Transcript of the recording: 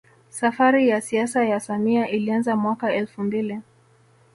Safari ya siasa ya samia ilianza mwaka elfu mbili